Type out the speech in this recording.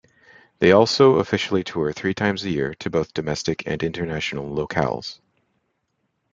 They also officially tour three times a year to both domestic and international locales.